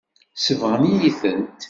Sebɣen-iyi-tent.